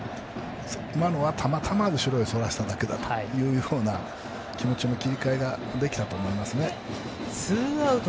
今のは、たまたま後ろにそらしただけだという気持ちの切り替えができたと思います。